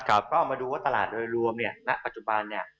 ก็เอามาดูว่าตลาดโดยรวมเนี่ยณปัจจุบันเนี่ย